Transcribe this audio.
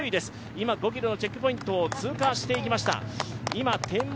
今、５ｋｍのチェックポイントを通過していきました。